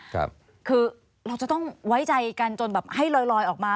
คือเราจะต้องไว้ใจกันจนแบบให้ลอยลอยออกมา